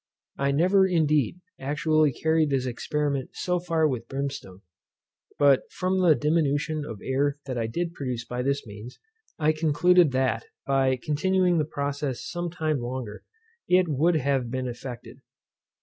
I never, indeed, actually carried this experiment so far with brimstone; but from the diminution of air that I did produce by this means, I concluded that, by continuing the process some time longer, it would have been effected.